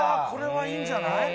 「これはいいんじゃない？」